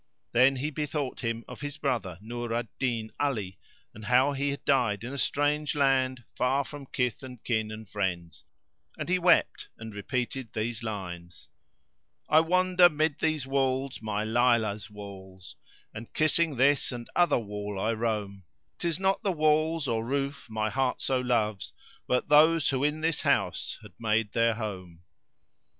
Then he bethought him of his brother, Nur al Din Ali, and how he had died in a strange land far from kith and kin and friends; and he wept and repeated these lines:— "I wander 'mid these walls, my Layla's walls, * And kissing this and other wall I roam: 'Tis not the walls or roof my heart so loves, * But those who in this house had made their home."